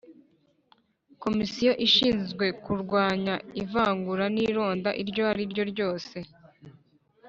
Komisiyo ishinzwe kurwanya ivangura n’ ironda iryo ariryo ryose